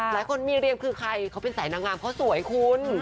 หลายคนมีเรียมคือใครเขาเป็นสายนางงามเขาสวยคุณ